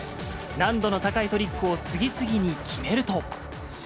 難度の高いトリックを次々に決めると。